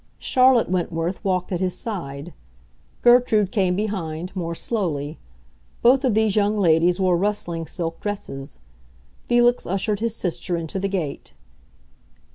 Charlotte Wentworth walked at his side. Gertrude came behind, more slowly. Both of these young ladies wore rustling silk dresses. Felix ushered his sister into the gate.